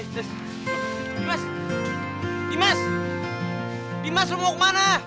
dimas dimas dimas lo mau kemana